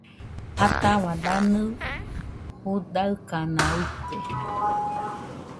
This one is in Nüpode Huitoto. Ataua danɨ judaɨkana uite